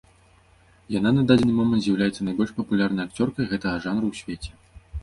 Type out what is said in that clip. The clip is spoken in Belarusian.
Яна на дадзены момант з'яўляецца найбольш папулярнай акцёркай гэтага жанру ў свеце.